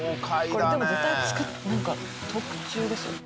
これでも絶対なんか特注ですよね。